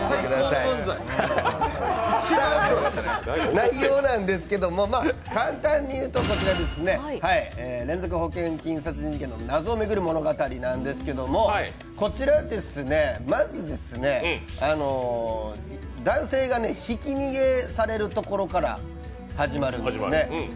内容は簡単に言うと、連続保険金殺人事件の謎を巡る物語ですが、こちら、まず男性がひき逃げされるところから始まるんですね。